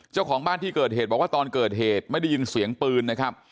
เจ้าของบ้านที่เกิดเหตุบอกว่าตอนเกิดเหตุไม่ได้ยินเสียงปืนนะครับ